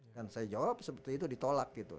kan saya jawab seperti itu ditolak gitu